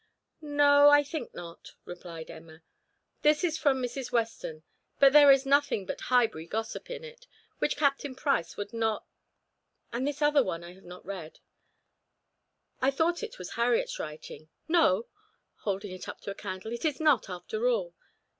"No, I think not," replied Emma. "This is from Mrs. Weston, but there is nothing but Highbury gossip in it, which Captain Price would not and this other one I have not read; I thought it was Harriet's writing. No!" holding it up to a candle, "it is not, after all.